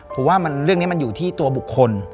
ผมว่าเรื่องนี้มันอยู่ที่ตัวบุคคล